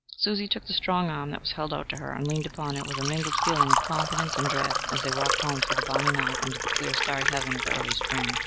Susie took the strong arm that was held out to her, and leaned upon it with a mingled feeling of confidence and dread as they walked home through the balmy night under the clear, starry heaven of the early spring.